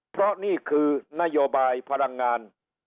เพราะนี่คือนโยบายพลังงาน